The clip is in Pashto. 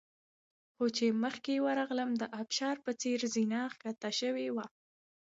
خو چې مخکې ورغلم د ابشار په څېر زینه ښکته شوې وه.